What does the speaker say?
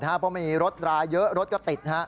เพราะมีรถราเยอะรถก็ติด